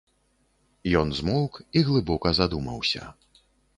Ён змоўк і глыбока задумаўся.